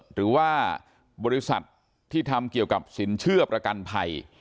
หรือว่าบริษัทที่ทำเกี่ยวกับสินเชื่อประกันภัย